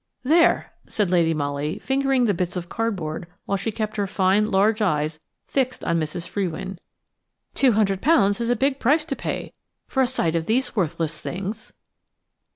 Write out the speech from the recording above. "There!" said Lady Molly, fingering the bits of cardboard while she kept her fine large eyes fixed on Mrs. Frewin; "£200 is a big price to pay for a sight of these worthless things."